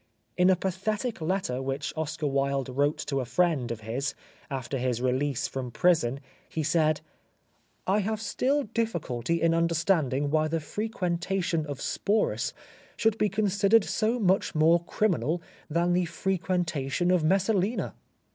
In a pathetic letter which Oscar Wilde wrote to a friend of his after his release from prison he said : "I have still difficulty in understanding why the frequentation of Sporus should be considered so much more criminal than the frequentation of Messalina."